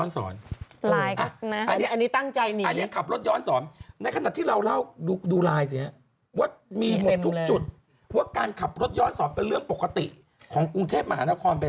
นี่ถ้าจับไม่ได้หรือไม่มีนะป่านนี้เรียนทำอะไร